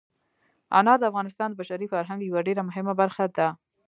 انار د افغانستان د بشري فرهنګ یوه ډېره مهمه برخه ده.